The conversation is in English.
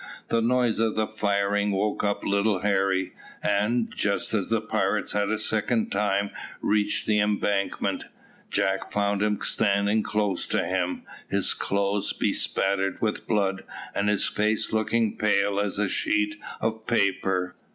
The noise of the firing woke up little Harry, and, just as the pirates had a second time reached the embankment, Jack found him standing close to him, his clothes bespattered with blood, and his face looking pale as a sheet of paper.